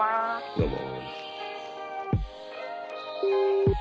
どうも。